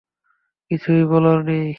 কিছুই বলার নেই?